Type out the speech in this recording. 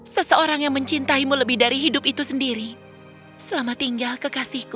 seseorang yang mencintaimu lebih dari hidup itu sendiri selamat tinggal kekasihku